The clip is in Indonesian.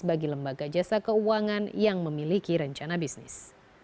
bagi lembaga jasa keuangan yang memiliki rencana bisnis